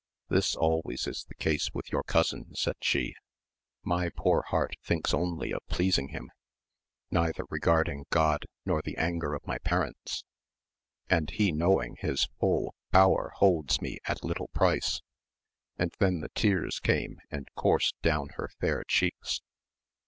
This always is the case with your cousin, said she, my poor heart thinks only of pled&m^\!i\SL^ 70 AMADIS OF GAUL. neither regarding God nor the anger of my parents, and he knowing his full power holds me at Httle price, and then the tears came and coursed down her fair cheeks.